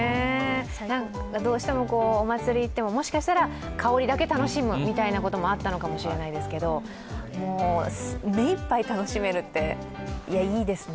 どうしてもお祭りに行っても、もしかしたら香りだけ楽しむということも会ったのかもしれないですけど、もう、めいっぱい楽しめるっていいですね。